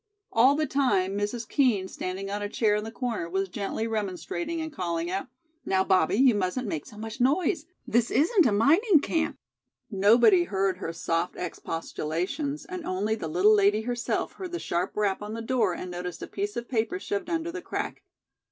All the time. Mrs. Kean, standing on a chair in the corner, was gently remonstrating and calling out: "Now, Bobbie, you mustn't make so much noise. This isn't a mining camp." Nobody heard her soft expostulations, and only the little lady herself heard the sharp rap on the door and noticed a piece of paper shoved under the crack.